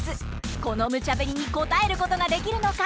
このむちゃぶりに応えることができるのか！？